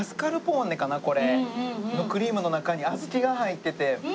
クリームの中に小豆が入ってて。